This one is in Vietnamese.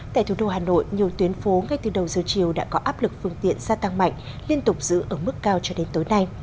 tại thủ đô hà nội nhiều tuyến phố ngay từ đầu giờ chiều đã có áp lực phương tiện gia tăng mạnh liên tục giữ ở mức cao cho đến tối nay